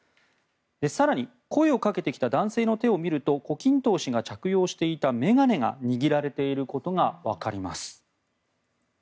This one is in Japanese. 更に、声をかけてきた男性の手を見ると胡錦涛氏が着用していた眼鏡が握られていることがわかります。